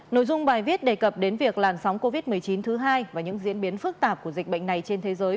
nội dung bài viết đề cập đến việc làn sóng covid một mươi chín thứ hai và những diễn biến phức tạp của dịch bệnh này trên thế giới